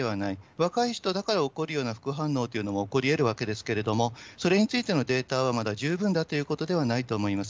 若い人だから起こるような副反応も起こりえるわけですけれども、それについてのデータは、まだ十分だということではないと思います。